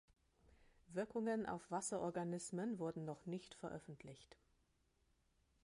Wirkungen auf Wasserorganismen wurden noch nicht veröffentlicht.